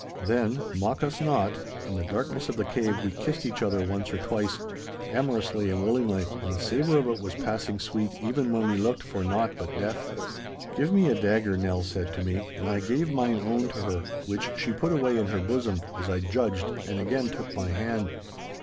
Then (mock us not) in the darkness of the cave we kissed each other once or twice, amorously and willingly, and the savour of it was passing sweet even when we looked for naught but death. 'Give me a dagger,' Nell said to me, and I gave mine own to her, which she put away in her bosom, as I judged, and again took my hand.